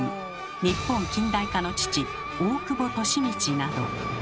日本近代化の父大久保利通など。